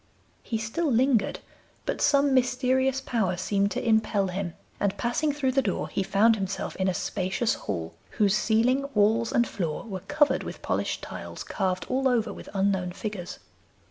He still lingered, but some mysterious power seemed to impel him, and passing through the door he found himself in a spacious hall, whose ceiling, walls, and floor were covered with polished tiles carved all over with unknown figures.